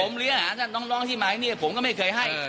ผมเลี้ยหาท่านน้องที่มาที่นี่ผมก็ไม่เคยให้